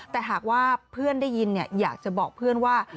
แต่หากว่าเพื่อนได้ยินอยากจะบอกเพื่อนว่า